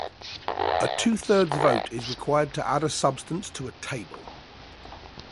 A two-thirds vote is required to add a substance to a Table.